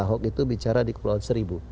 ahok itu bicara di kepulauan seribu